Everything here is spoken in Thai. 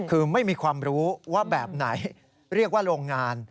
คือไม่มีความรู้ว่าแบบไหนเรียกว่าโรงงาน